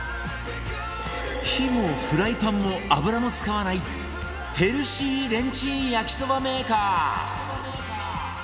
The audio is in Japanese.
火もフライパンも油も使わないヘルシーレンチン焼きそばメーカー！